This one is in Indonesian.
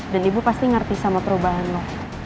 dan ibu pasti ngerti sama perubahan lo